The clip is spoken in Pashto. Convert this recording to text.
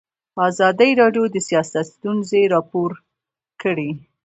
ازادي راډیو د سیاست ستونزې راپور کړي.